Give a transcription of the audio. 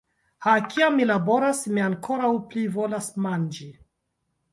Ha, kiam mi laboras, mi ankoraŭ pli volas manĝi.